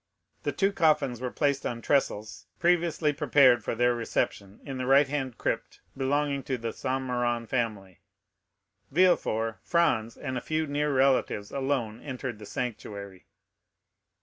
The two coffins were placed on trestles previously prepared for their reception in the right hand crypt belonging to the Saint Méran family. Villefort, Franz, and a few near relatives alone entered the sanctuary.